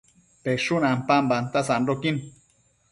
peshun ampambanta sandoquin